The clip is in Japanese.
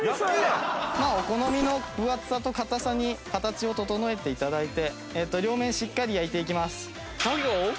お好みの分厚さと硬さに形を整えて頂いて両面しっかり焼いていきます。